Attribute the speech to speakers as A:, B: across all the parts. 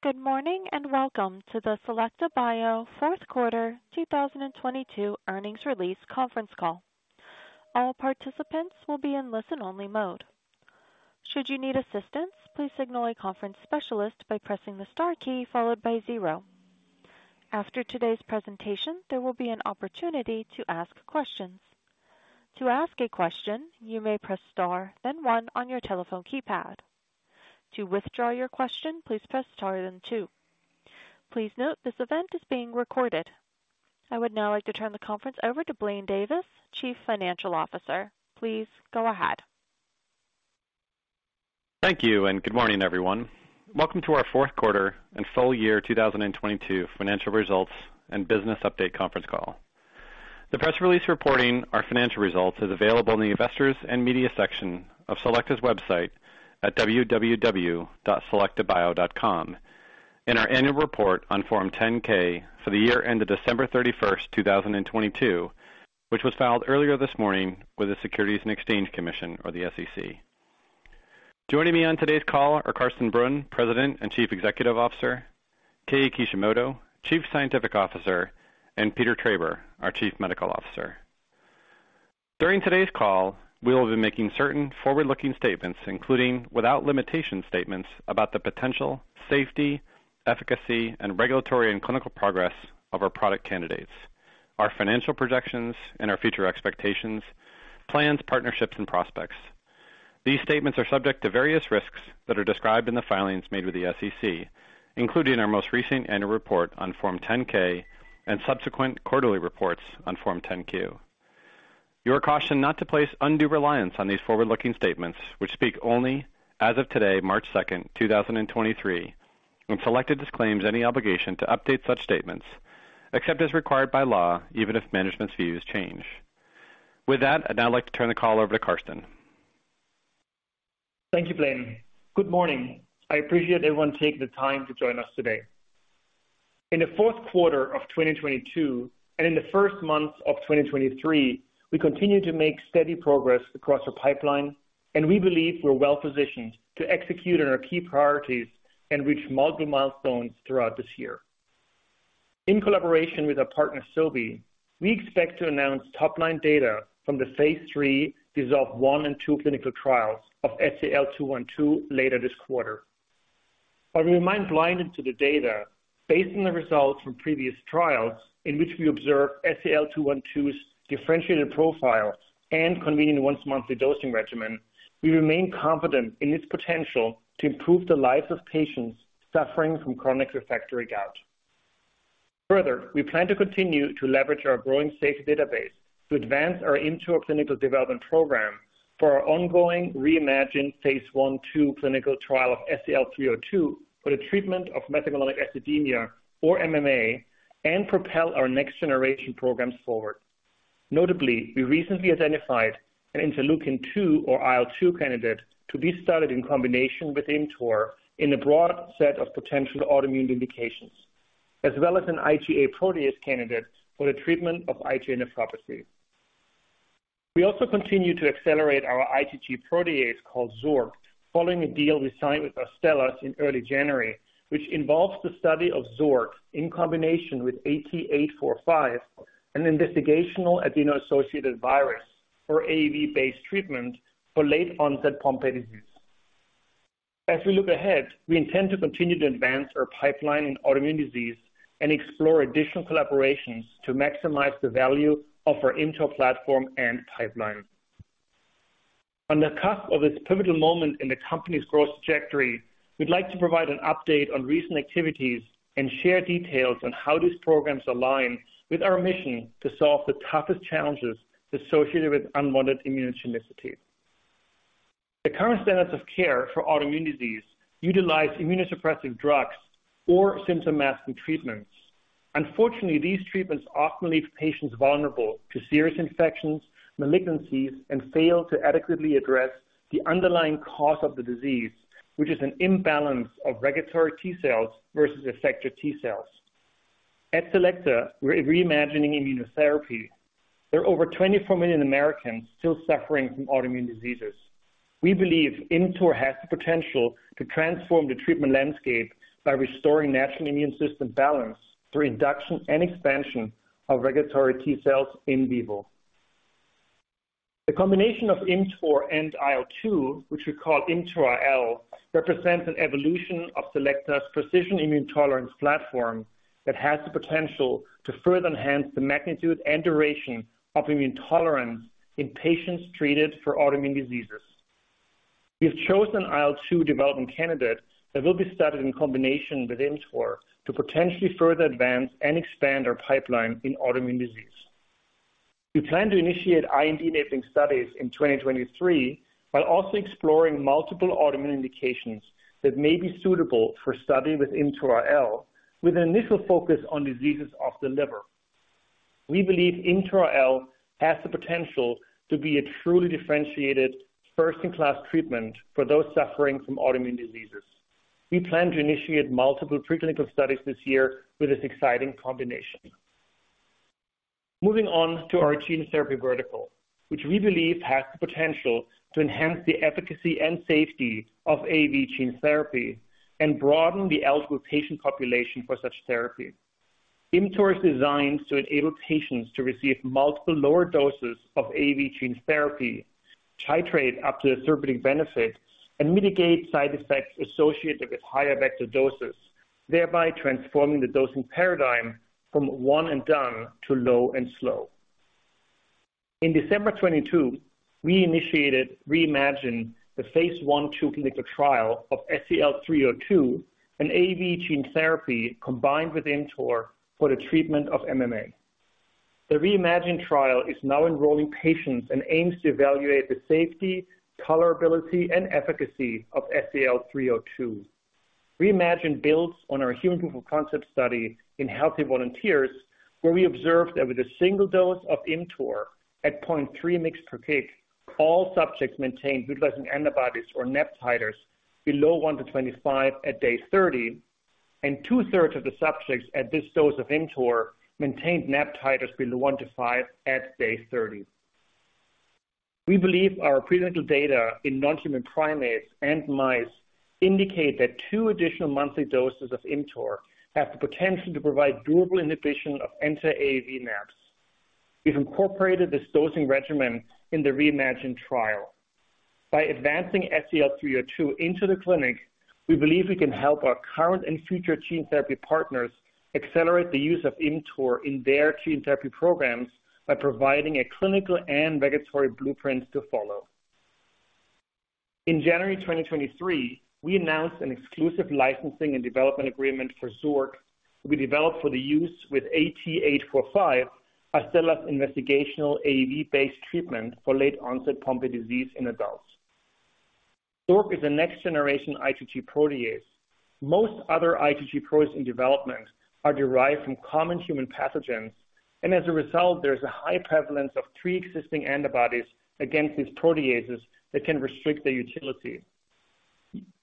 A: Good morning, and welcome to the Selecta Bio fourth quarter 2022 earnings release conference call. All participants will be in listen-only mode. Should you need assistance, please signal a conference specialist by pressing the star key followed by zero. After today's presentation, there will be an opportunity to ask questions. To ask a question, you may press star, then one on your telephone keypad. To withdraw your question, please press star then two. Please note this event is being recorded. I would now like to turn the conference over to Blaine Davis, Chief Financial Officer. Please go ahead.
B: Thank you. Good morning, everyone. Welcome to our fourth quarter and full year 2022 financial results and business update conference call. The press release reporting our financial results is available in the Investors and Media section of Selecta's website at www.selectabio.com. In our annual report on Form 10-K for the year ended December 31st, 2022, which was filed earlier this morning with the Securities and Exchange Commission or the SEC. Joining me on today's call are Carsten Bruhn, President and Chief Executive Officer, Kei Kishimoto, Chief Scientific Officer, and Peter Traber, our Chief Medical Officer. During today's call, we will be making certain forward-looking statements, including, without limitation, statements about the potential, safety, efficacy, and regulatory and clinical progress of our product candidates, our financial projections and our future expectations, plans, partnerships, and prospects. These statements are subject to various risks that are described in the filings made with the SEC, including our most recent annual report on Form 10-K and subsequent quarterly reports on Form 10-Q. You are cautioned not to place undue reliance on these forward-looking statements, which speak only as of today, March 2nd, 2023, when Selecta disclaims any obligation to update such statements except as required by law, even if management's views change. With that, I'd now like to turn the call over to Carsten.
C: Thank you, Blaine. Good morning. I appreciate everyone taking the time to join us today. In the fourth quarter of 2022 and in the first months of 2023, we continued to make steady progress across our pipeline. We believe we're well-positioned to execute on our key priorities and reach multiple milestones throughout this year. In collaboration with our partner, Sobi, we expect to announce top-line data from the phase III DISSOLVE I and II clinical trials of SEL-212 later this quarter. While we remain blinded to the data, based on the results from previous trials in which we observed SEL-212's differentiated profile and convenient once-monthly dosing regimen, we remain confident in its potential to improve the lives of patients suffering from chronic refractory gout. We plan to continue to leverage our growing safety database to advance our ImmTOR clinical development program for our ongoing ReiMMAgine phase 1/2 clinical trial of SEL-302 for the treatment of methylmalonic acidemia or MMA, and propel our next-generation programs forward. We recently identified an interleukin-2 or IL-2 candidate to be studied in combination with ImmTOR in a broad set of potential autoimmune indications, as well as an IgA protease candidate for the treatment of IgA nephropathy. We also continue to accelerate our IgG protease called Xork, following a deal we signed with Astellas in early January, which involves the study of Xork in combination with AT845, an investigational adeno-associated virus or AAV-based treatment for late onset Pompe disease. As we look ahead, we intend to continue to advance our pipeline in autoimmune disease and explore additional collaborations to maximize the value of our ImmTOR platform and pipeline. On the cusp of this pivotal moment in the company's growth trajectory, we'd like to provide an update on recent activities and share details on how these programs align with our mission to solve the toughest challenges associated with unwanted immunogenicity. The current standards of care for autoimmune disease utilize immunosuppressive drugs or symptom masking treatments. Unfortunately, these treatments often leave patients vulnerable to serious infections, malignancies, and fail to adequately address the underlying cause of the disease, which is an imbalance of regulatory T-cells versus effector T-cells. At Selecta, we're reimagining immunotherapy. There are over 24 million Americans still suffering from autoimmune diseases. We believe ImmTOR has the potential to transform the treatment landscape by restoring natural immune system balance through induction and expansion of regulatory T-cells in vivo. The combination of ImmTOR and IL-2, which we call ImmTOR-IL, represents an evolution of Selecta's precision immune tolerance platform that has the potential to further enhance the magnitude and duration of immune tolerance in patients treated for autoimmune diseases. We have chosen an IL-2 development candidate that will be studied in combination with ImmTOR to potentially further advance and expand our pipeline in autoimmune disease. We plan to initiate IND-enabling studies in 2023, while also exploring multiple autoimmune indications that may be suitable for study with ImmTOR-IL, with an initial focus on diseases of the liver. We believe ImmTOR-IL has the potential to be a truly differentiated first-in-class treatment for those suffering from autoimmune diseases. We plan to initiate multiple preclinical studies this year with this exciting combination. Moving on to our gene therapy vertical, which we believe has the potential to enhance the efficacy and safety of AAV gene therapy and broaden the eligible patient population for such therapy. ImmTOR is designed to enable patients to receive multiple lower doses of AAV gene therapy, titrate up to the therapeutic benefit, and mitigate side effects associated with higher vector doses, thereby transforming the dosing paradigm from one and done to low and slow. In December 2022, we initiated ReiMMAgine, the phase 1/2 clinical trial of SEL-302, an AAV gene therapy combined with ImmTOR for the treatment of MMA. The ReiMMAgine trial is now enrolling patients and aims to evaluate the safety, tolerability, and efficacy of SEL-302. ReiMMAgine builds on our human proof of concept study in healthy volunteers, where we observed that with a single dose of ImmTOR at 0.3 mg/kg, all subjects maintained neutralizing antibodies or NAb titers below one to 25 at day 30, and 2/3 of the subjects at this dose of ImmTOR maintained NAb titers below one to five at day 30. We believe our preclinical data in non-human primates and mice indicate that two additional monthly doses of ImmTOR have the potential to provide durable inhibition of anti-AAV NAbs. We've incorporated this dosing regimen in the ReiMMAgine trial. By advancing SEL-302 into the clinic, we believe we can help our current and future gene therapy partners accelerate the use of ImmTOR in their gene therapy programs by providing a clinical and regulatory blueprint to follow. In January 2023, we announced an exclusive licensing and development agreement for Xork to be developed for the use with AT845, Astellas' investigational AAV-based treatment for late onset Pompe disease in adults. Xork is a next-generation IgG protease. Most other IgG protease in development are derived from common human pathogens, and as a result, there's a high prevalence of pre-existing antibodies against these proteases that can restrict their utility.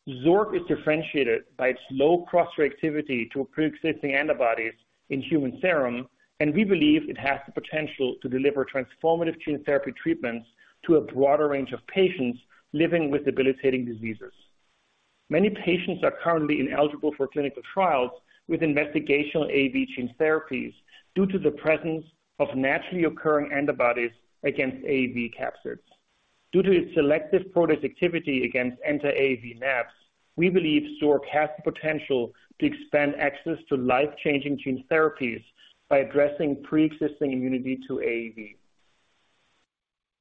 C: Xork is differentiated by its low cross-reactivity to pre-existing antibodies in human serum, and we believe it has the potential to deliver transformative gene therapy treatments to a broader range of patients living with debilitating diseases. Many patients are currently ineligible for clinical trials with investigational AAV gene therapies due to the presence of naturally occurring antibodies against AAV capsids. Due to its selective protease activity against anti-AAV NAbs, we believe Xork has the potential to expand access to life-changing gene therapies by addressing pre-existing immunity to AAV.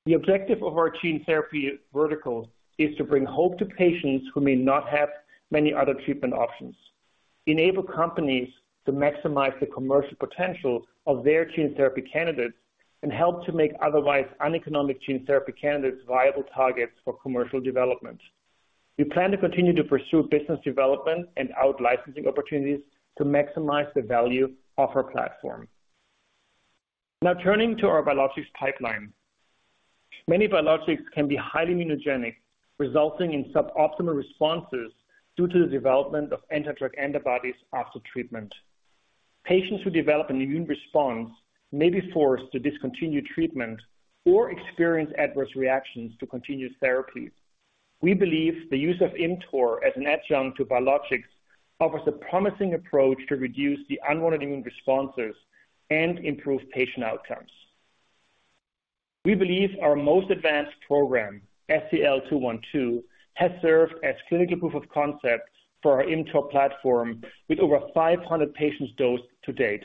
C: The objective of our gene therapy vertical is to bring hope to patients who may not have many other treatment options, enable companies to maximize the commercial potential of their gene therapy candidates, and help to make otherwise uneconomic gene therapy candidates viable targets for commercial development. We plan to continue to pursue business development and out-licensing opportunities to maximize the value of our platform. Turning to our biologics pipeline. Many biologics can be highly immunogenic, resulting in suboptimal responses due to the development of anti-drug antibodies after treatment. Patients who develop an immune response may be forced to discontinue treatment or experience adverse reactions to continued therapy. We believe the use of ImmTOR as an adjunct to biologics offers a promising approach to reduce the unwanted immune responses and improve patient outcomes. We believe our most advanced program, SEL-212, has served as clinical proof of concept for our ImmTOR platform with over 500 patients dosed to date.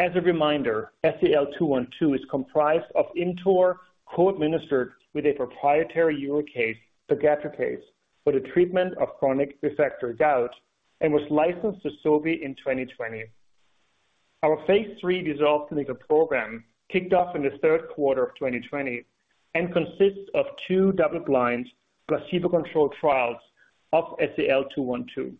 C: As a reminder, SEL-212 is comprised of ImmTOR co-administered with a proprietary uricase, pegadricase, for the treatment of chronic refractory gout and was licensed to Sobi in 2020. Our phase III DISSOLVE clinical program kicked off in the third quarter of 2020 and consists of two double-blind placebo-controlled trials of SEL-212.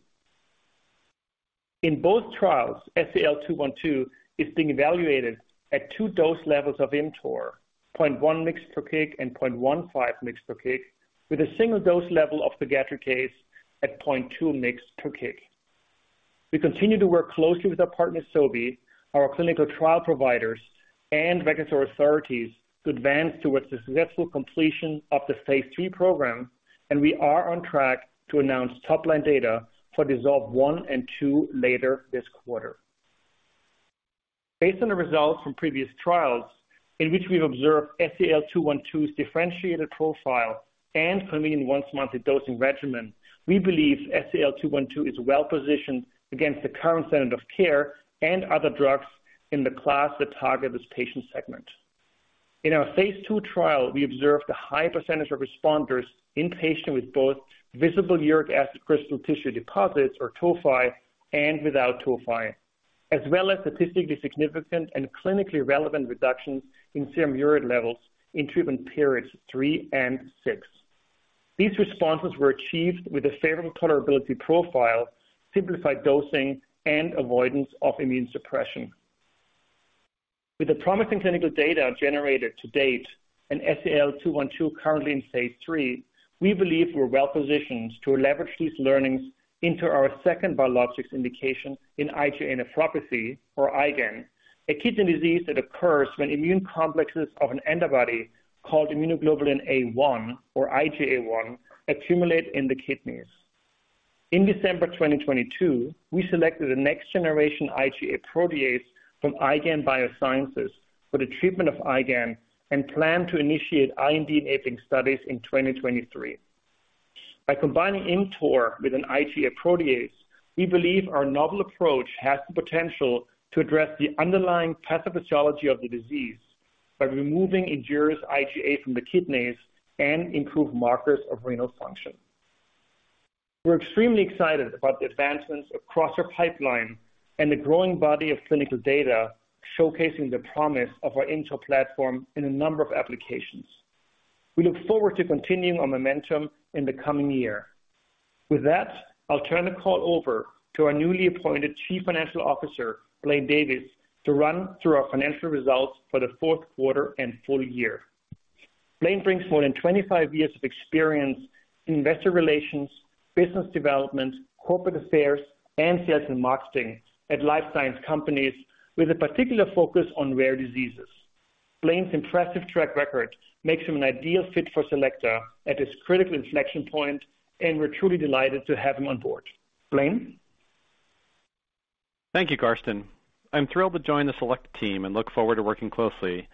C: In both trials, SEL-212 is being evaluated at 2 dose levels of ImmTOR, 0.1 mg per kg and 0.15 mg per kg, with a single dose level of pegadricase at 0.2 mg per kg. We continue to work closely with our partner, Sobi, our clinical trial providers, and regulatory authorities to advance towards the successful completion of the phase III program. We are on track to announce top-line data for DISSOLVE I and II later this quarter. Based on the results from previous trials in which we've observed SEL-212's differentiated profile and convenient once-monthly dosing regimen, we believe SEL-212 is well-positioned against the current standard of care and other drugs in the class that target this patient segment. In our phase II trial, we observed a high percentage of responders in patients with both visible uric acid crystal tissue deposits, or tophi, and without tophi, as well as statistically significant and clinically relevant reductions in serum uric levels in treatment periods three and six. These responses were achieved with a favorable tolerability profile, simplified dosing, and avoidance of immune suppression. With the promising clinical data generated to date and SEL-212 currently in phase III, we believe we're well-positioned to leverage these learnings into our second biologics indication in IgA nephropathy or IgAN, a kidney disease that occurs when immune complexes of an antibody called immunoglobulin A1 or IgA1 accumulate in the kidneys. In December 2022, we selected the next generation IgA protease from IGAN Biosciences for the treatment of IgAN, and plan to initiate IND-enabling studies in 2023. By combining ImmTOR with an IgA protease, we believe our novel approach has the potential to address the underlying pathophysiology of the disease by removing injurious IgA from the kidneys and improve markers of renal function. We're extremely excited about the advancements across our pipeline and the growing body of clinical data showcasing the promise of our ImmTOR platform in a number of applications. We look forward to continuing our momentum in the coming year. I'll turn the call over to our newly appointed Chief Financial Officer, Blaine Davis, to run through our financial results for the fourth quarter and full year. Blaine brings more than 25 years of experience in investor relations, business development, corporate affairs, and sales and marketing at life science companies with a particular focus on rare diseases. Blaine's impressive track record makes him an ideal fit for Selecta at this critical inflection point, and we're truly delighted to have him on board. Blaine.
B: Thank you, Carsten. I'm thrilled to join the Selecta team and look forward to working closely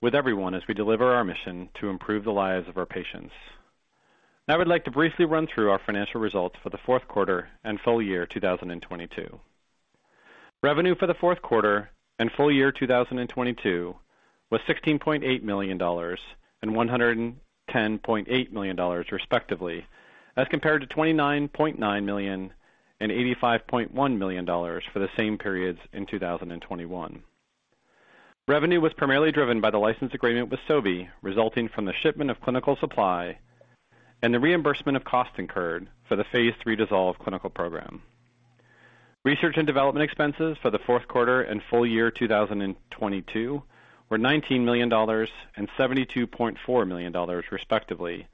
B: with everyone as we deliver our mission to improve the lives of our patients. Now I would like to briefly run through our financial results for the fourth quarter and full year 2022. Revenue for the fourth quarter and full year 2022 was $16.8 million and $110.8 million, respectively, as compared to $29.9 million and $85.1 million for the same periods in 2021. Revenue was primarily driven by the license agreement with Sobi, resulting from the shipment of clinical supply and the reimbursement of costs incurred for the phase III DISSOLVE clinical program. Research and development expenses for the fourth quarter and full year 2022 were $19 million and $72.4 million, respectively,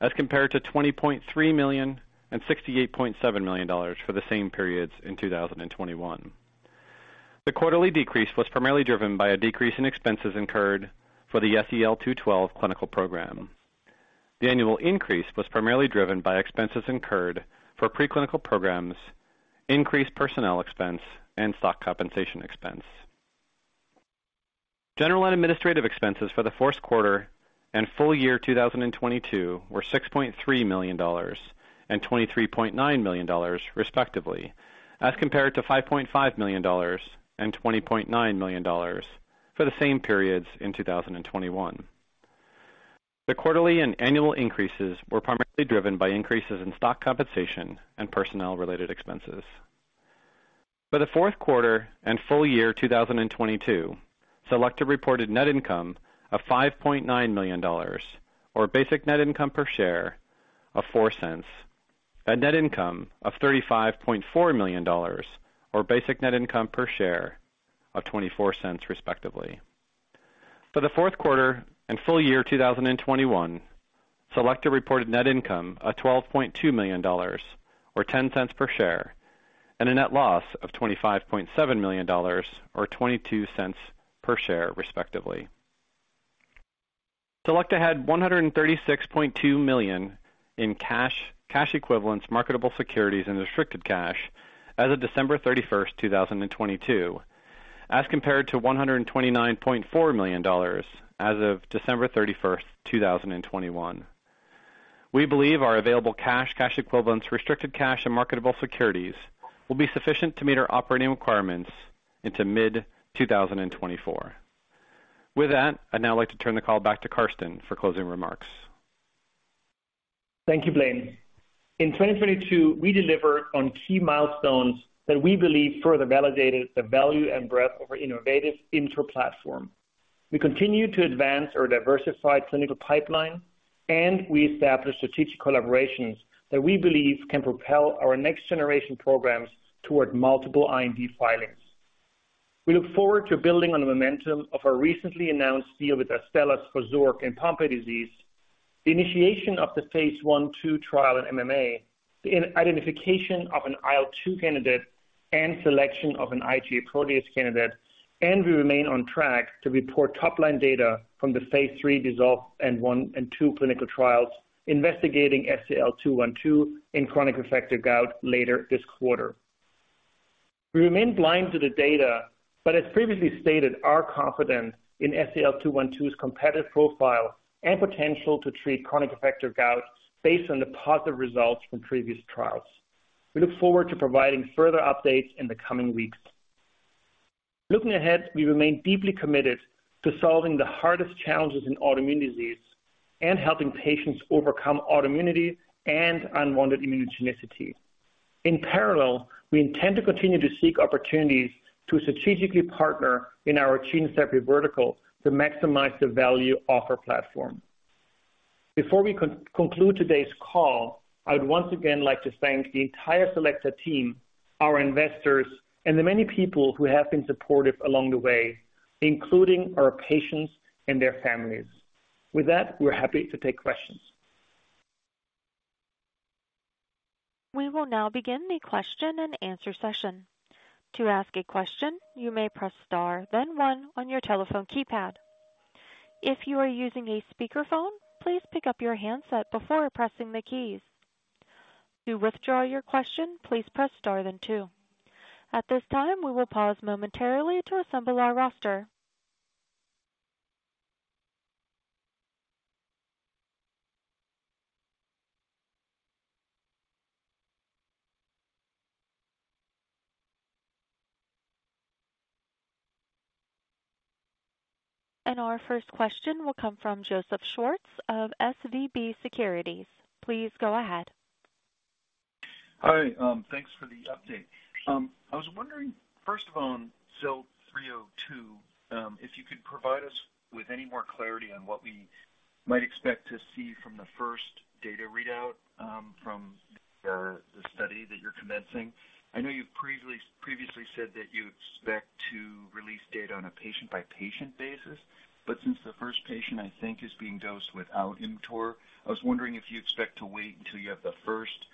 B: as compared to $20.3 million and $68.7 million for the same periods in 2021. The quarterly decrease was primarily driven by a decrease in expenses incurred for the SEL-212 clinical program. The annual increase was primarily driven by expenses incurred for preclinical programs, increased personnel expense, and stock compensation expense. General and administrative expenses for the fourth quarter and full year 2022 were $6.3 million and $23.9 million, respectively, as compared to $5.5 million and $20.9 million for the same periods in 2021. The quarterly and annual increases were primarily driven by increases in stock compensation and personnel-related expenses. For the fourth quarter and full year 2022, Selecta reported net income of $5.9 million or basic net income per share of $0.04, a net income of $35.4 million or basic net income per share of $0.24, respectively. For the fourth quarter and full year 2021, Selecta reported net income of $12.2 million or $0.10 per share, and a net loss of $25.7 million or $0.22 per share, respectively. Selecta had $136.2 million in cash equivalents, marketable securities, and restricted cash as of December 31, 2022, as compared to $129.4 million as of December 31, 2021. We believe our available cash equivalents, restricted cash, and marketable securities will be sufficient to meet our operating requirements into mid-2024. With that, I'd now like to turn the call back to Carsten for closing remarks.
C: Thank you, Blaine. In 2022, we delivered on key milestones that we believe further validated the value and breadth of our innovative ImmTOR platform. We continue to advance our diversified clinical pipeline. We established strategic collaborations that we believe can propel our next-generation programs toward multiple IND filings. We look forward to building on the momentum of our recently announced deal with Astellas for Xork and Pompe disease, the initiation of the phase 1/2 trial in MMA, the identification of an IL-2 candidate and selection of an IgA protease candidate. We remain on track to report top-line data from the phase III DISSOLVE I, and II clinical trials investigating SEL-212 in chronic refractory gout later this quarter. We remain blind to the data, as previously stated, are confident in SEL-212's competitive profile and potential to treat chronic refractory gout based on the positive results from previous trials. We look forward to providing further updates in the coming weeks. Looking ahead, we remain deeply committed to solving the hardest challenges in autoimmune disease and helping patients overcome autoimmunity and unwanted immunogenicity. In parallel, we intend to continue to seek opportunities to strategically partner in our gene therapy vertical to maximize the value of our platform. Before we conclude today's call, I would once again like to thank the entire Selecta team, our investors, and the many people who have been supportive along the way, including our patients and their families. With that, we're happy to take questions.
A: We will now begin the question-and-answer session. To ask a question, you may press star then one on your telephone keypad. If you are using a speakerphone, please pick up your handset before pressing the keys. To withdraw your question, please press star then two. At this time, we will pause momentarily to assemble our roster. Our first question will come from Joseph Schwartz of SVB Securities. Please go ahead.
D: Hi, thanks for the update. I was wondering, first of all, on SEL-302, if you could provide us with any more clarity on what we might expect to see from the first data readout, from the study that you're commencing. I know you've previously said that you expect to release data on a patient-by-patient basis. Since the first patient, I think, is being dosed without ImmTOR, I was wondering if you expect to wait until you have the first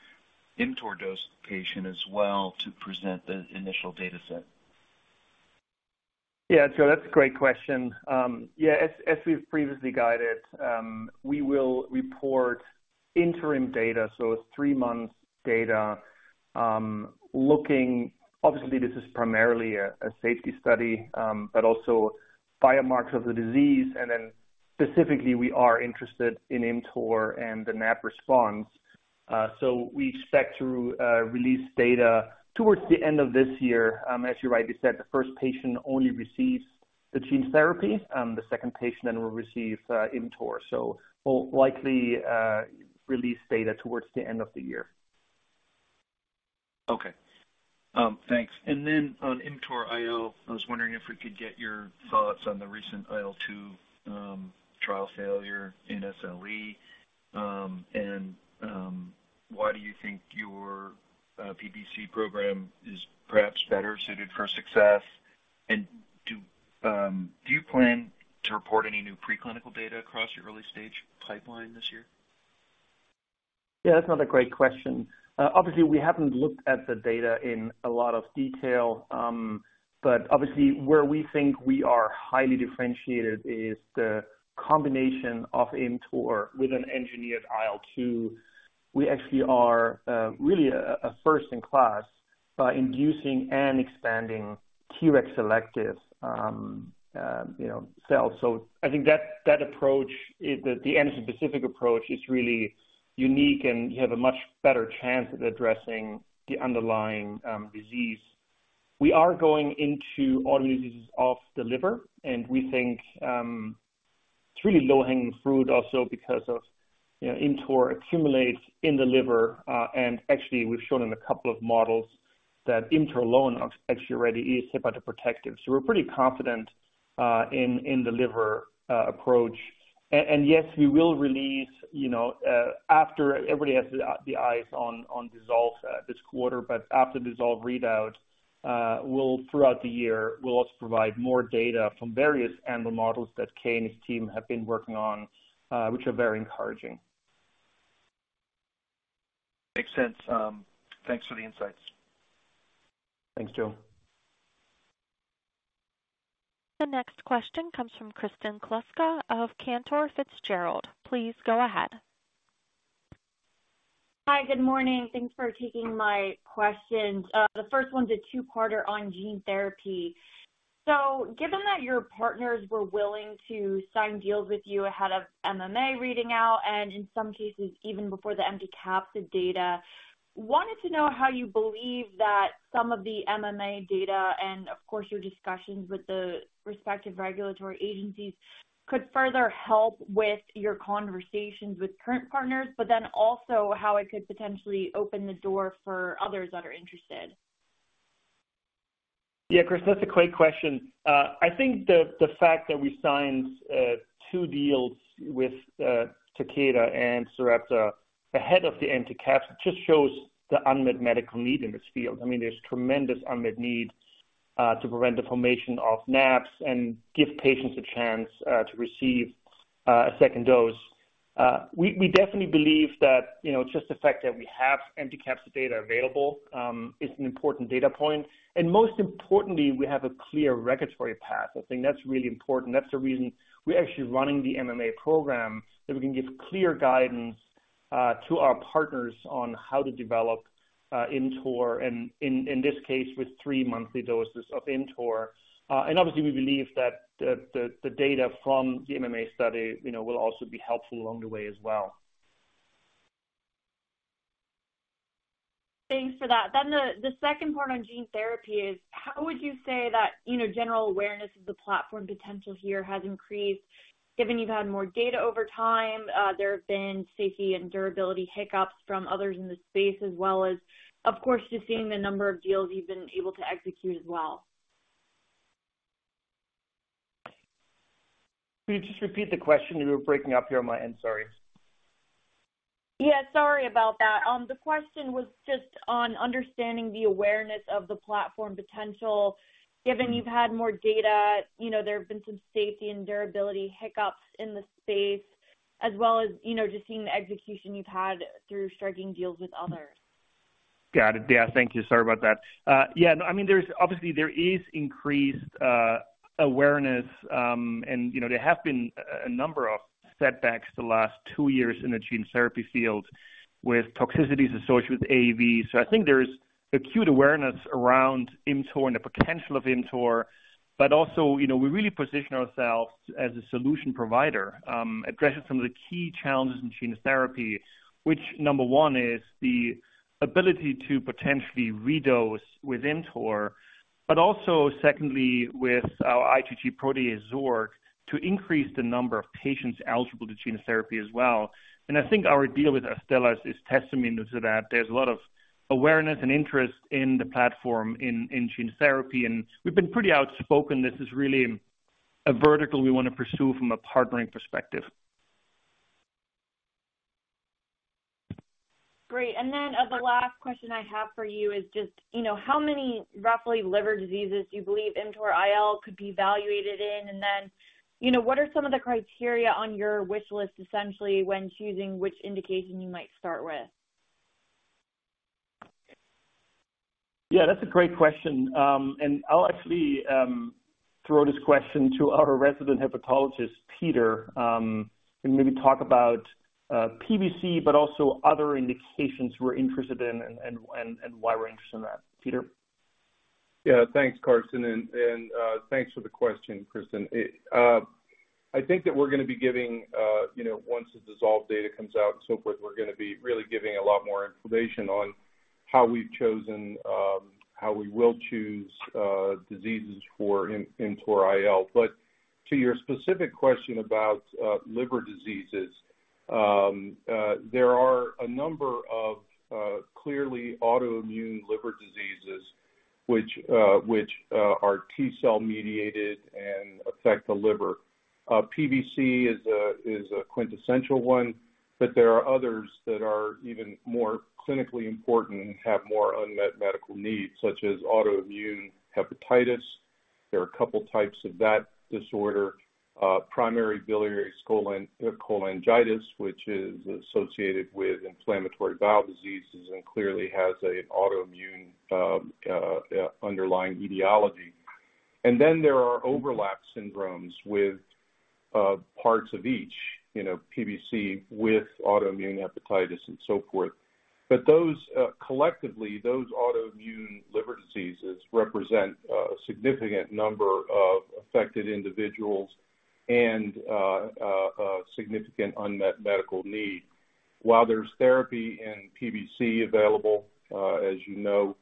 D: ImmTOR-dosed patient as well to present the initial data set.
C: Yeah, Joe, that's a great question. Yeah, as we've previously guided, we will report interim data, so three months data. Obviously, this is primarily a safety study, but also biomarkers of the disease. Then specifically, we are interested in ImmTOR and the NAb response. We expect to release data towards the end of this year. As you rightly said, the first patient only receives the gene therapy, the second patient then will receive ImmTOR. We'll likely release data towards the end of the year.
D: Okay, thanks. On ImmTOR-IL, I was wondering if we could get your thoughts on the recent IL-2 trial failure in SLE. Why do you think your PBC program is perhaps better suited for success? Do you plan to report any new preclinical data across your early-stage pipeline this year?
C: That's another great question. Obviously, we haven't looked at the data in a lot of detail, but obviously where we think we are highly differentiated is the combination of ImmTOR with an engineered IL-2. We actually are really a first-in-class by inducing and expanding Treg selective, you know, cells. I think that approach is the antigen-specific approach is really unique, and you have a much better chance at addressing the underlying disease. We are going into autoimmunes of the liver, and we think it's really low-hanging fruit also because of, you know, ImmTOR accumulates in the liver. Actually we've shown in a couple of models that ImmTOR alone actually already is hepatoprotective. We're pretty confident in the liver approach. Yes, we will release, you know, after everybody has the eyes on DISSOLVE, this quarter. After DISSOLVE readout, we'll throughout the year, we'll also provide more data from various animal models that Kay and his team have been working on, which are very encouraging.
D: Makes sense. Thanks for the insights.
C: Thanks, Joe.
A: The next question comes from Kristen Kluska of Cantor Fitzgerald. Please go ahead.
E: Hi. Good morning. Thanks for taking my questions. The first one's a two-parter on gene therapy. Given that your partners were willing to sign deals with you ahead of MMA reading out and in some cases even before the empty capsid data, wanted to know how you believe that some of the MMA data and, of course, your discussions with the respective regulatory agencies could further help with your conversations with current partners, but then also how it could potentially open the door for others that are interested.
C: Yeah, Kristen, that's a great question. I think the fact that we signed two deals with Takeda and Sarepta ahead of the empty capsids just shows the unmet medical need in this field. I mean, there's tremendous unmet need to prevent the formation of NAbs and give patients a chance to receive a second dose. We definitely believe that, you know, just the fact that we have empty capsid data available is an important data point. Most importantly, we have a clear regulatory path. I think that's really important. That's the reason we're actually running the MMA program, that we can give clear guidance to our partners on how to develop ImmTOR and in this case, with three monthly doses of ImmTOR. Obviously we believe that the data from the MMA study, you know, will also be helpful along the way as well.
E: Thanks for that. The second part on gene therapy is how would you say that, you know, general awareness of the platform potential here has increased given you've had more data over time, there have been safety and durability hiccups from others in the space, as well as, of course, just seeing the number of deals you've been able to execute as well?
C: Can you just repeat the question? You were breaking up here on my end. Sorry.
E: Yeah, sorry about that. The question was just on understanding the awareness of the platform potential, given you've had more data, you know, there have been some safety and durability hiccups in the space, as well as, you know, just seeing the execution you've had through striking deals with others.
C: Got it. Yeah. Thank you. Sorry about that. Yeah, no, I mean, obviously, there is increased awareness, and, you know, there have been a number of setbacks the last two years in the gene therapy field with toxicities associated with AAV. I think there's acute awareness around ImmTOR and the potential of ImmTOR, but also, you know, we really position ourselves as a solution provider, addressing some of the key challenges in gene therapy, which number one is the ability to potentially redose with ImmTOR, but also secondly, with our IgG protease, Xork, to increase the number of patients eligible to gene therapy as well. I think our deal with Astellas is testament to that. There's a lot of awareness and interest in the platform in gene therapy, and we've been pretty outspoken. This is really a vertical we wanna pursue from a partnering perspective.
E: Great. The last question I have for you is just, you know, how many, roughly, liver diseases do you believe ImmTOR-IL could be evaluated in? You know, what are some of the criteria on your wish list, essentially, when choosing which indication you might start with?
C: Yeah, that's a great question. I'll actually, throw this question to our resident hepatologist, Peter, can maybe talk about, PBC, but also other indications we're interested in and why we're interested in that. Peter?
F: Yeah. Thanks, Carsten, and thanks for the question, Kristen. It, I think that we're gonna be giving, you know, once the DISSOLVE data comes out and so forth, we're gonna be really giving a lot more information on how we've chosen, how we will choose diseases for ImmTOR-IL. To your specific question about liver diseases, there are a number of clearly autoimmune liver diseases which are T-cell mediated and affect the liver. PBC is a quintessential one, but there are others that are even more clinically important and have more unmet medical needs, such as autoimmune hepatitis. There are a couple types of that disorder, primary biliary cholangitis, which is associated with inflammatory bowel diseases and clearly has a autoimmune underlying etiology. There are overlap syndromes with parts of each, you know, PBC with autoimmune hepatitis and so forth. Collectively, those autoimmune liver diseases represent a significant number of affected individuals and a significant unmet medical need. While there's therapy in PBC available, as you know,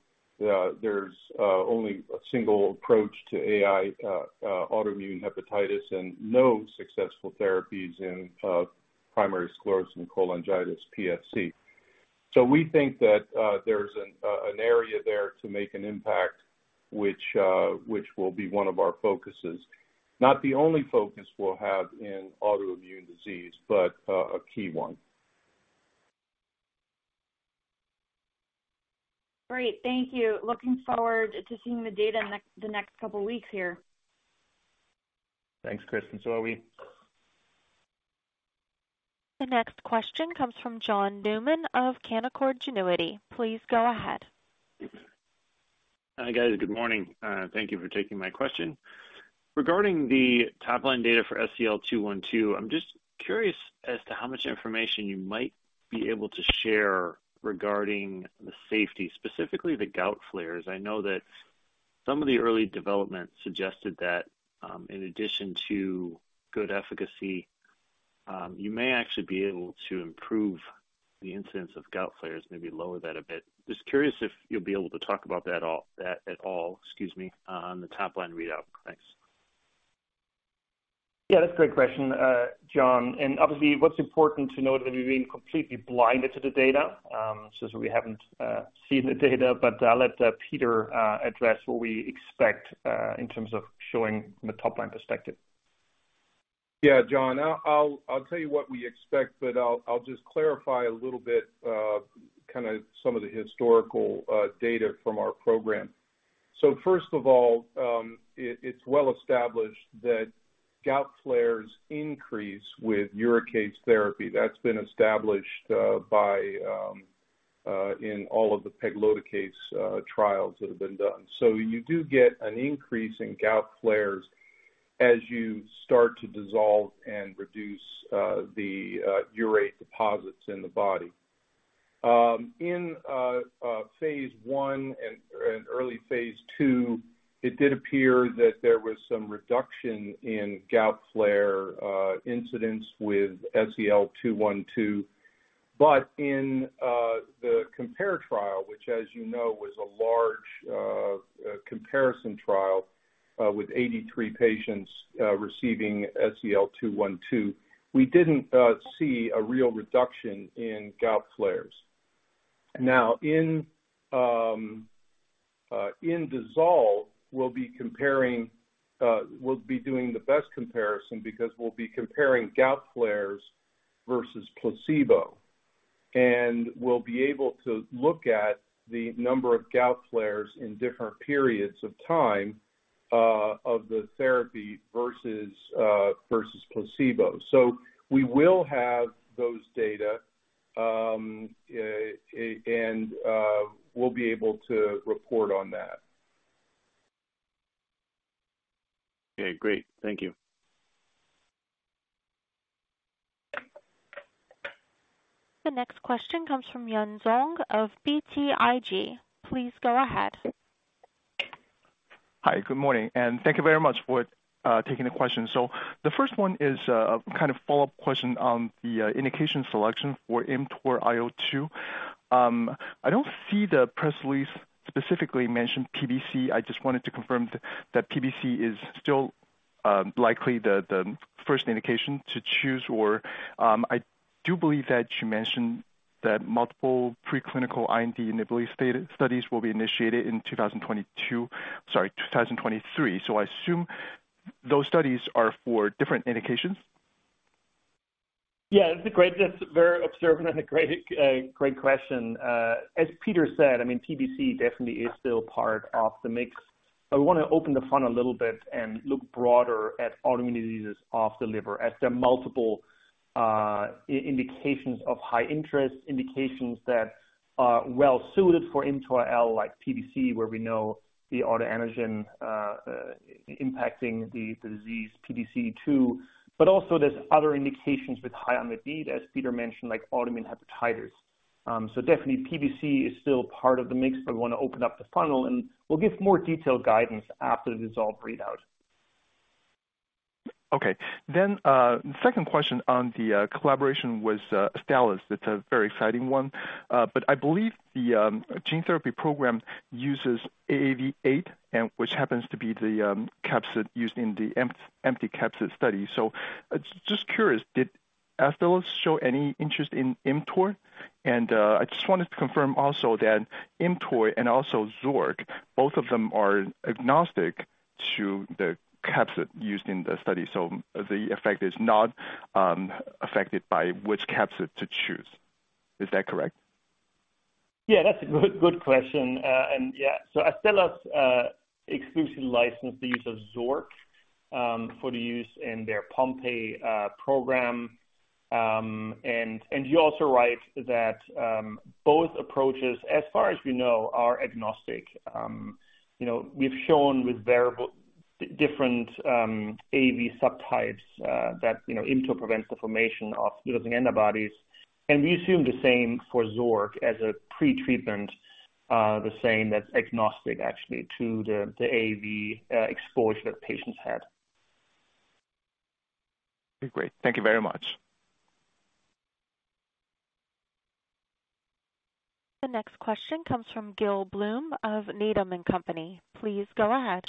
F: there's only a single approach to autoimmune hepatitis and no successful therapies in primary sclerosing cholangitis, PSC. We think that there's an area there to make an impact, which will be one of our focuses. Not the only focus we'll have in autoimmune disease, but a key one.
E: Great. Thank you. Looking forward to seeing the data next, the next couple weeks here.
C: Thanks, Kristen. Are we.
A: The next question comes from John Newman of Canaccord Genuity. Please go ahead.
G: Hi, guys. Good morning. Thank you for taking my question. Regarding the top-line data for SEL-212, I'm just curious as to how much information you might be able to share regarding the safety, specifically the gout flares. I know that some of the early development suggested that, in addition to good efficacy, you may actually be able to improve the incidence of gout flares, maybe lower that a bit. Just curious if you'll be able to talk about that at all, excuse me, on the top-line readout. Thanks.
C: Yeah, that's a great question, John. Obviously, what's important to note that we've been completely blinded to the data, since we haven't seen the data, but I'll let Peter address what we expect in terms of showing from a top-line perspective.
F: John, I'll tell you what we expect, but I'll just clarify a little bit, kinda some of the historical data from our program. First of all, it's well established that gout flares increase with uricase therapy. That's been established by in all of the pegloticase trials that have been done. You do get an increase in gout flares as you start to dissolve and reduce the urate deposits in the body. In phase I and early phase II, it did appear that there was some reduction in gout flare incidents with SEL-212. In the COMPARE trial, which as you know, was a large comparison trial with 83 patients receiving SEL-212, we didn't see a real reduction in gout flares.
C: Now in DISSOLVE, we'll be comparing, we'll be doing the best comparison because we'll be comparing gout flares versus placebo. We'll be able to look at the number of gout flares in different periods of time, of the therapy versus placebo. We will have those data, and we'll be able to report on that.
H: Okay, great. Thank you.
A: The next question comes from Yun Zhong of BTIG. Please go ahead.
I: Hi, good morning, and thank you very much for taking the question. The first one is kind of follow-up question on the indication selection for ImmTOR-IL. I don't see the press release specifically mention PBC. I just wanted to confirm that PBC is still likely the first indication to choose, or I do believe that you mentioned that multiple preclinical IND enabling studies will be initiated in 2022, sorry, 2023. I assume those studies are for different indications.
C: Yeah, that's very observant and a great question. Peter said, I mean, PBC definitely is still part of the mix, but we wanna open the funnel a little bit and look broader at autoimmune diseases of the liver as there are multiple indications of high interest, indications that are well suited for ImmTOR-IL, like PBC, where we know the autoantigen impacting the disease, PBC. Also there's other indications with high unmet need, as Peter mentioned, like autoimmune hepatitis. Definitely PBC is still part of the mix, but we wanna open up the funnel, and we'll give more detailed guidance after the DISSOLVE readout.
I: Okay. Second question on the collaboration with Astellas. It's a very exciting one. I believe the gene therapy program uses AAV8 and which happens to be the capsid used in the empty capsid study. Just curious, did Astellas show any interest in ImmTOR? I just wanted to confirm also that ImmTOR and also Xork, both of them are agnostic to the capsid used in the study. The effect is not affected by which capsid to choose. Is that correct?
C: Yeah, that's a good question. Yeah. Astellas exclusively licensed the use of Xork for the use in their Pompe program. You're also right that both approaches, as far as we know, are agnostic. You know, we've shown with different AAV subtypes that, you know, ImmTOR prevents the formation of neutralizing antibodies. We assume the same for Xork as a pretreatment, the same that's agnostic actually to the AAV exposure that patients had.
I: Okay, great. Thank you very much.
A: The next question comes from Gil Blum of Needham & Company. Please go ahead.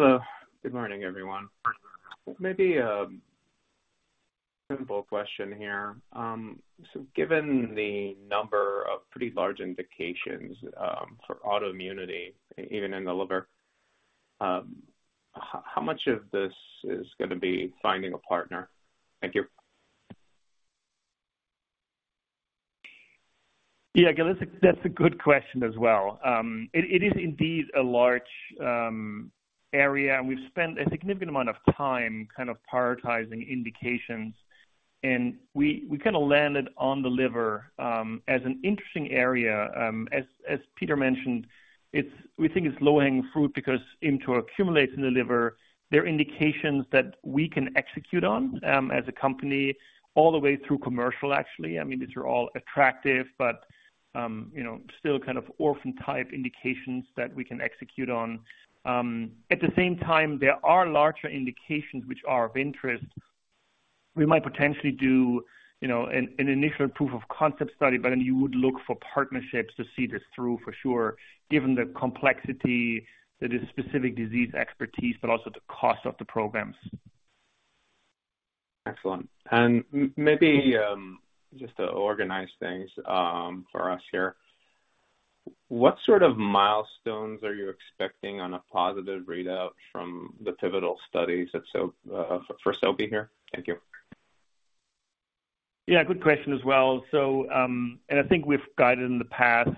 H: Hello. Good morning, everyone. Maybe a simple question here. Given the number of pretty large indications, for autoimmunity, even in the liver, how much of this is gonna be finding a partner? Thank you.
C: Yeah, Gil, that's a, that's a good question as well. It is indeed a large area, and we've spent a significant amount of time kind of prioritizing indications. We kinda landed on the liver as an interesting area. As Peter mentioned, we think it's low-hanging fruit because ImmTOR accumulates in the liver. They're indications that we can execute on as a company all the way through commercial, actually. I mean, these are all attractive but, you know, still kind of orphan-type indications that we can execute on. At the same time, there are larger indications which are of interest. We might potentially do, you know, an initial proof of concept study, but then you would look for partnerships to see this through for sure, given the complexity, the specific disease expertise, but also the cost of the programs.
H: Excellent. Maybe, just to organize things, for us here. What sort of milestones are you expecting on a positive readout from the pivotal studies for Sobi here? Thank you.
C: Yeah, good question as well. I think we've guided in the past.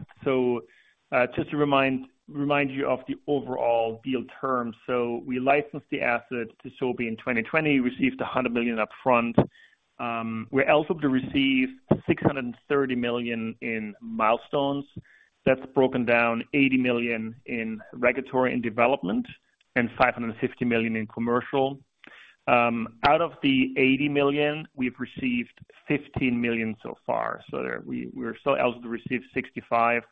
C: Just to remind you of the overall deal terms. We licensed the asset to Sobi in 2020, received $100 million up front. We're eligible to receive $630 million in milestones. That's broken down $80 million in regulatory and development and $550 million in commercial. Out of the $80 million, we've received $15 million so far. We're still eligible to receive $65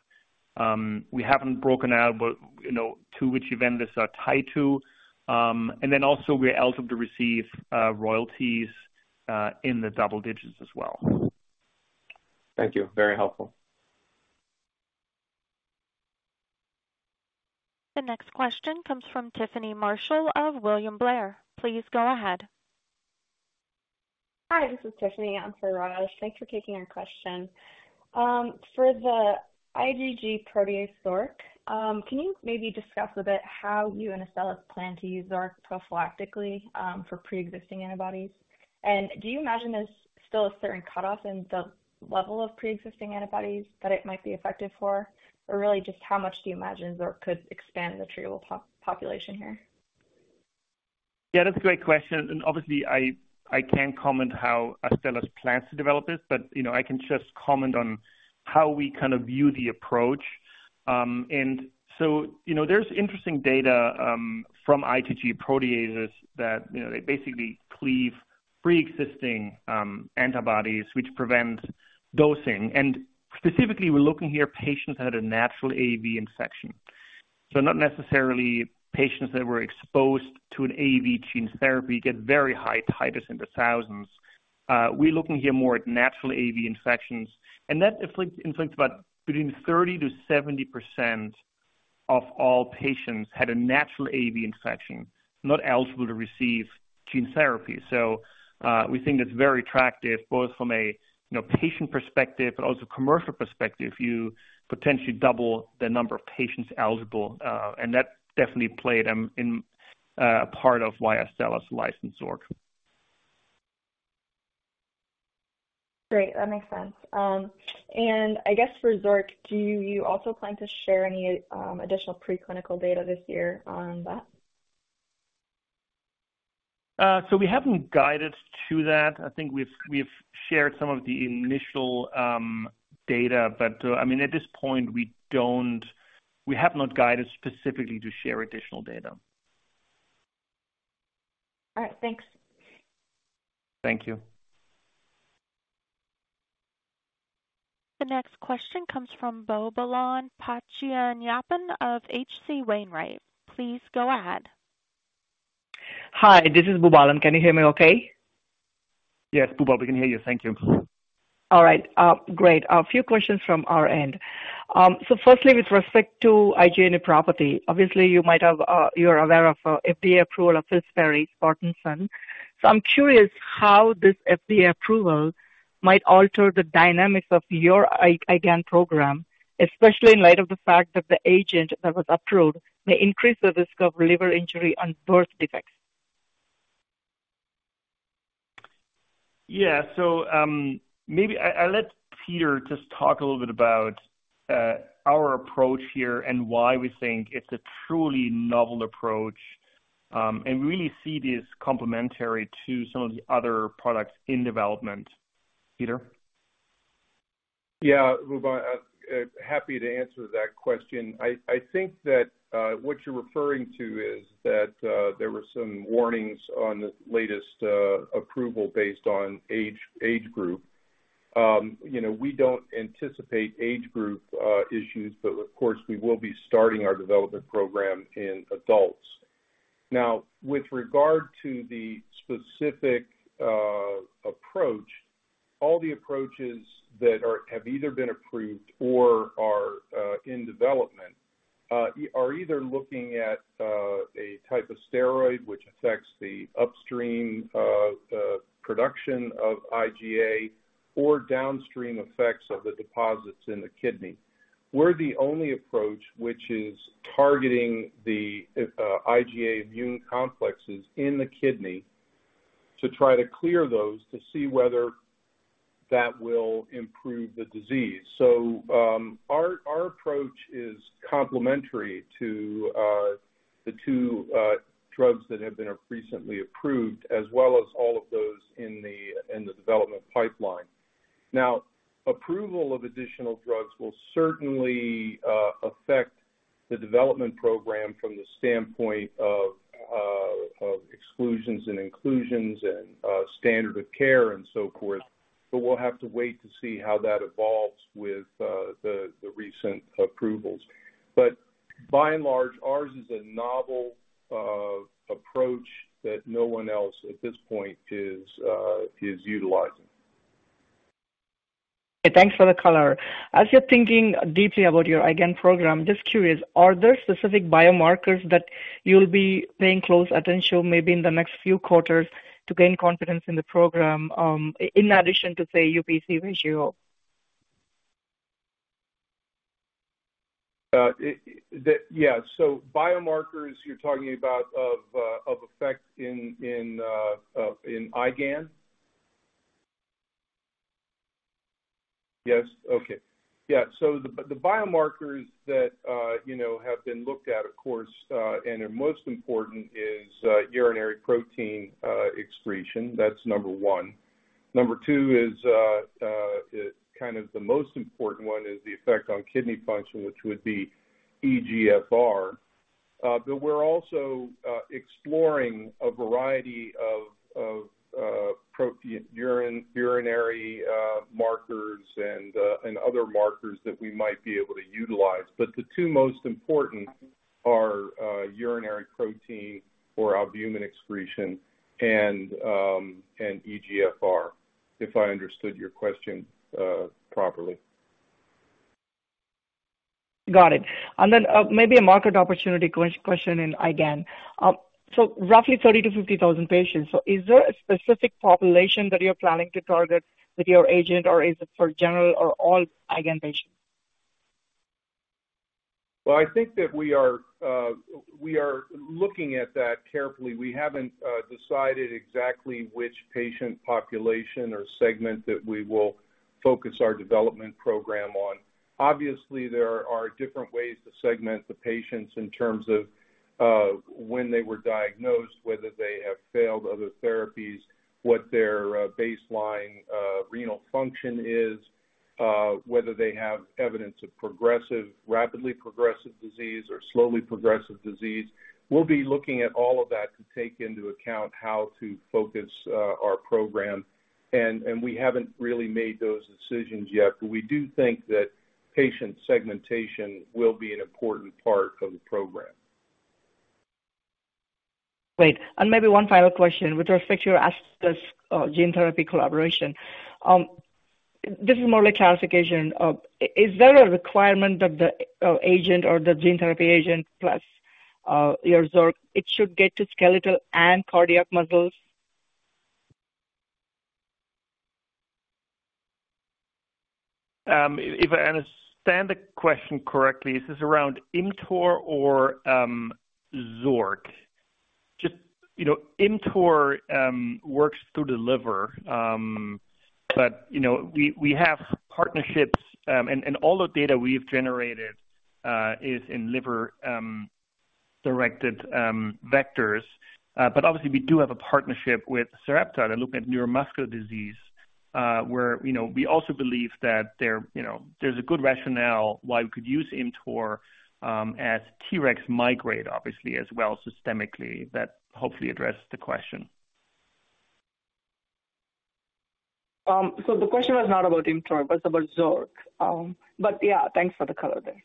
C: million. We haven't broken out, but, you know, to which event these are tied to. And then also we're eligible to receive royalties in the double digits as well.
H: Thank you. Very helpful.
A: The next question comes from Tiffany Marshall of William Blair. Please go ahead.
J: Hi, this is Tiffany. Thanks for taking our question. For the IgG protease Xork, can you maybe discuss a bit how you and Astellas plan to use Xork prophylactically, for pre-existing antibodies? Do you imagine there's still a certain cutoff in the level of pre-existing antibodies that it might be effective for? Really, just how much do you imagine Xork could expand the treatable population here?
C: Yeah, that's a great question. obviously, I can't comment how Astellas plans to develop this, but, you know, I can just comment on how we kind of view the approach. you know, there's interesting data from IgG proteases that, you know, they basically cleave pre-existing antibodies which prevent dosing. specifically, we're looking here at patients that had a natural AAV infection. not necessarily patients that were exposed to an AAV gene therapy, get very high titers in the thousands. we're looking here more at natural AAV infections, and that inflicts about between 30%-70% of all patients had a natural AAV infection, not eligible to receive gene therapy. we think that's very attractive, both from a, you know, patient perspective, but also commercial perspective. You potentially double the number of patients eligible, and that definitely played in a part of why Astellas licensed Xork.
J: Great, that makes sense. I guess for Xork, do you also plan to share any additional preclinical data this year on that?
C: We haven't guided to that. I think we've shared some of the initial data, but, I mean, at this point, we have not guided specifically to share additional data.
J: All right. Thanks.
C: Thank you.
A: The next question comes from Boobalan Pachaiyappan of H.C. Wainwright. Please go ahead.
K: Hi, this is Bubalon. Can you hear me okay?
C: Yes, Bubalon, we can hear you. Thank you.
K: All right. Great. A few questions from our end. Firstly, with respect to IgA nephropathy, obviously, you might have, you're aware of, FDA approval of Filspari for Parkinson's. I'm curious how this FDA approval might alter the dynamics of your IgAN program, especially in light of the fact that the agent that was approved may increase the risk of liver injury and birth defects.
C: Yeah. Maybe I'll let Peter just talk a little bit about our approach here and why we think it's a truly novel approach, and really see this complementary to some of the other products in development. Peter?
F: Yeah. Bubalon, happy to answer that question. I think that what you're referring to is that there were some warnings on the latest approval based on age group. You know, we don't anticipate age group issues, but of course, we will be starting our development program in adults. Now, with regard to the specific approach, all the approaches that have either been approved or are in development, are either looking at a type of steroid which affects the upstream production of IgA or downstream effects of the deposits in the kidney. We're the only approach which is targeting the IgA immune complexes in the kidney to try to clear those to see whether that will improve the disease. Our approach is complementary to the two drugs that have been recently approved, as well as all of those in the development pipeline. Approval of additional drugs will certainly affect the development program from the standpoint of exclusions and inclusions and standard of care and so forth. We'll have to wait to see how that evolves with the recent approvals. By and large, ours is a novel approach that no one else at this point is utilizing.
K: Thanks for the color. As you're thinking deeply about your IgAN program, just curious, are there specific biomarkers that you'll be paying close attention maybe in the next few quarters to gain confidence in the program, in addition to, say, UPC ratio?
F: Yeah. Biomarkers you're talking about of effect in IgAN? Yes. Okay. Yeah. The, the biomarkers that, you know, have been looked at, of course, and are most important is urinary protein excretion. That's number one. Number two is kind of the most important one is the effect on kidney function, which would be EGFR. We're also exploring a variety of protein urinary markers and other markers that we might be able to utilize. The two most important are urinary protein or albumin excretion and EGFR. If I understood your question properly.
K: Got it. Maybe a market opportunity question in IgAN. Roughly 30,000 to 50,000 patients. Is there a specific population that you're planning to target with your agent or is it for general or all IgAN patients?
F: Well, I think that we are, we are looking at that carefully. We haven't decided exactly which patient population or segment that we will focus our development program on. Obviously, there are different ways to segment the patients in terms of when they were diagnosed, whether they have failed other therapies, what their baseline renal function is, whether they have evidence of progressive, rapidly progressive disease or slowly progressive disease. We'll be looking at all of that to take into account how to focus our program, and we haven't really made those decisions yet. We do think that patient segmentation will be an important part of the program.
K: Great. Maybe one final question with respect to your Astellas gene therapy collaboration. This is more like classification. Is there a requirement that the agent or the gene therapy agent plus your Xork, it should get to skeletal and cardiac muscles?
C: If I understand the question correctly, is this around ImmTOR or Xork? Just, you know, ImmTOR works through the liver. You know, we have partnerships, and all the data we've generated is in liver directed vectors. Obviously we do have a partnership with Sarepta to look at neuromuscular disease, where, you know, we also believe that there, you know, there's a good rationale why we could use ImmTOR as Tregs migrate obviously as well systemically. That hopefully addressed the question.
K: The question was not about ImmTOR, but about Xork. Yeah, thanks for the color there.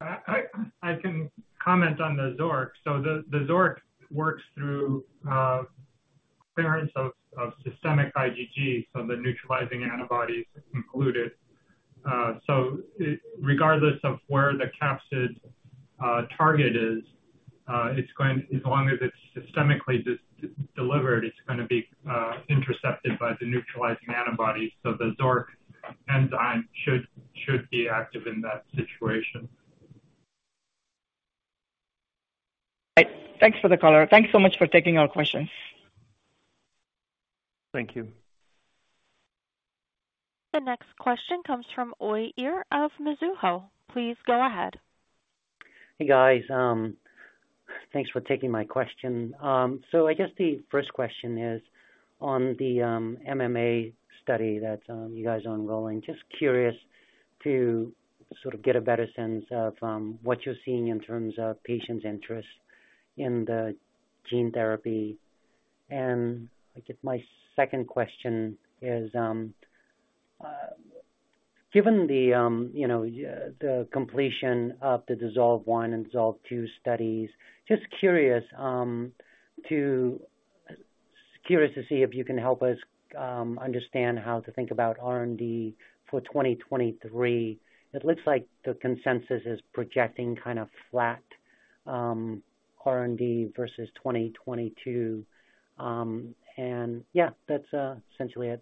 C: I can comment on the Xork. The Xork works through clearance of systemic IgG, so the neutralizing antibodies included. Regardless of where the capsid target is, as long as it's systemically delivered, it's gonna be intercepted by the neutralizing antibodies. The Xork enzyme should be active in that situation.
K: Right. Thanks for the color. Thanks so much for taking our questions.
C: Thank you.
A: The next question comes from Uy Ear of Mizuho. Please go ahead.
L: Hey, guys. Thanks for taking my question. I guess the first question is on the MMA study that you guys are enrolling. Just curious to sort of get a better sense of what you're seeing in terms of patients' interest in the gene therapy. I guess my second question is, given the, you know, the completion of the DISSOLVE I and DISSOLVE II studies, just curious to see if you can help us understand how to think about R&D for 2023. It looks like the consensus is projecting kind of flat R&D versus 2022. Yeah, that's essentially it.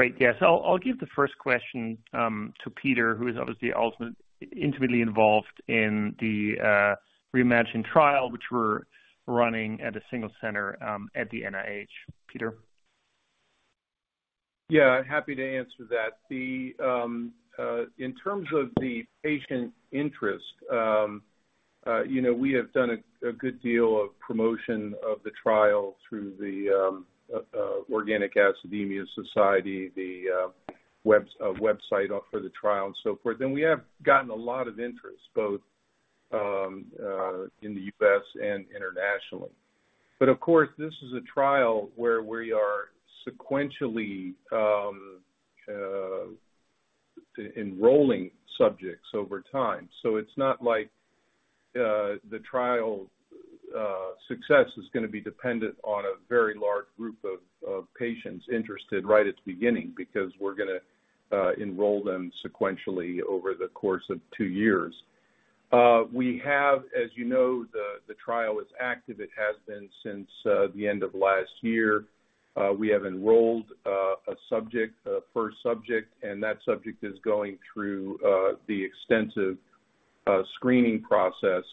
L: Thanks.
C: Great. Yes. I'll give the first question to Peter, who is obviously intimately involved in the ReiMMAgine trial, which we're running at a single center at the NIH. Peter.
F: Yeah, happy to answer that. The, in terms of the patient interest, you know, we have done a good deal of promotion of the trial through the Organic Acidemia Association, the website off for the trial and so forth. We have gotten a lot of interest both in the U.S. and internationally. Of course, this is a trial where we are sequentially enrolling subjects over time. It's not like the trial success is gonna be dependent on a very large group of patients interested right at the beginning, because we're gonna enroll them sequentially over the course of two years. We have, as you know, the trial is active. It has been since the end of last year. We have enrolled a subject, a first subject, and that subject is going through the extensive screening process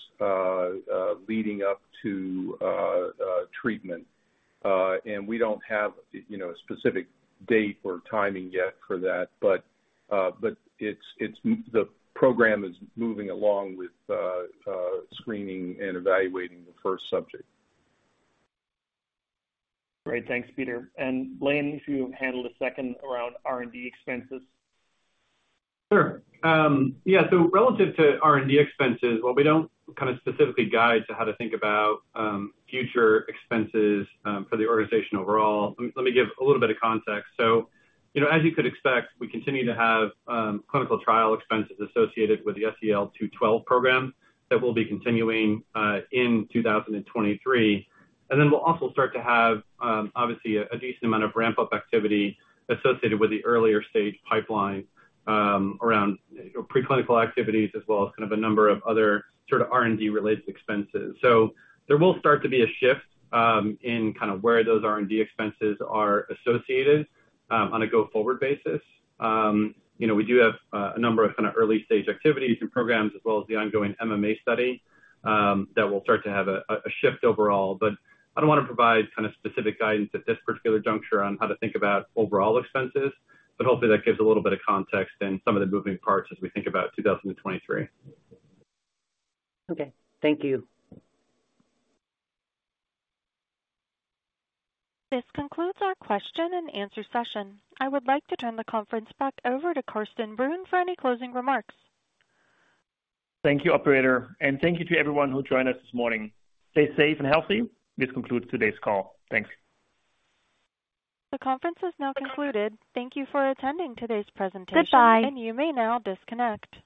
F: leading up to treatment. And we don't have, you know, a specific date or timing yet for that, but it's the program is moving along with screening and evaluating the first subject.
C: Great. Thanks, Peter. Lane, if you handle the second around R&D expenses.
M: Sure. Relative to R&D expenses, while we don't kind of specifically guide to how to think about future expenses for the organization overall, let me give a little bit of context. You know, as you could expect, we continue to have clinical trial expenses associated with the SEL-212 program that we'll be continuing in 2023. We'll also start to have obviously a decent amount of ramp-up activity associated with the earlier stage pipeline around, you know, preclinical activities as well as kind of a number of other sort of R&D related expenses. There will start to be a shift in kind of where those R&D expenses are associated on a go-forward basis. You know, we do have a number of kind of early-stage activities and programs as well as the ongoing MMA study, that will start to have a shift overall. I don't wanna provide kind of specific guidance at this particular juncture on how to think about overall expenses, but hopefully that gives a little bit of context in some of the moving parts as we think about 2023.
L: Okay. Thank you.
A: This concludes our question-and-answer session. I would like to turn the conference back over to Carsten Brunn for any closing remarks.
C: Thank you, operator, and thank you to everyone who joined us this morning. Stay safe and healthy. This concludes today's call. Thanks.
A: The conference has now concluded. Thank you for attending today's presentation.
K: Goodbye.
A: You may now disconnect.